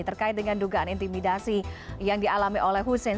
terkait dengan dugaan intimidasi yang dialami oleh hussein